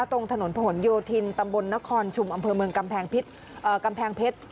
ตรงถนนผนโยธินตำบลนครชุมอำเภอเมืองกำแพงเพชร